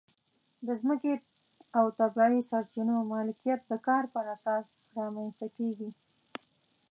د ځمکې او طبیعي سرچینو مالکیت د کار پر اساس رامنځته کېږي.